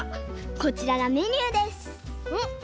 こちらがメニューです。